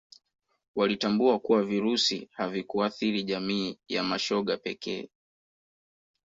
walitambua kuwa virusi havikuathiri jamii ya mashoga pekee